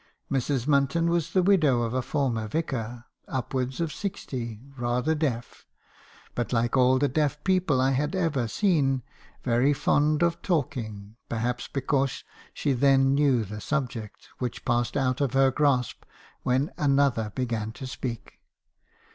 Mrs. Munton was the widow of a former vicar, upwards of sixty, rather deaf; but like all the deaf people 1 have ever seen, very fond of talking; perhaps because she then knew the subject, which passed out of her grasp when another began to speak.